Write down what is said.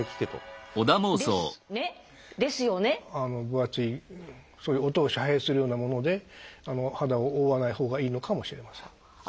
分厚いそういう音を遮蔽するようなもので肌を覆わない方がいいのかもしれません。